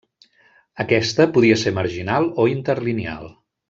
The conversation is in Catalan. Aquesta podia ser marginal o interlineal.